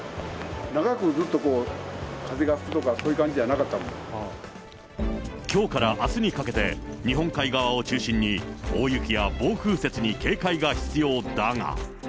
長くずっとこう、風が吹くとか、きょうからあすにかけて、日本海側を中心に、大雪や暴風雪に警戒が必要だが。